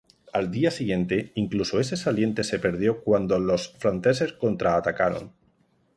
Al día siguiente, incluso ese saliente se perdió cuando los franceses contraatacaron.